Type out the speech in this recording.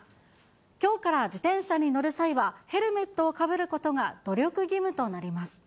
きょうから自転車に乗る際は、ヘルメットをかぶることが努力義務となります。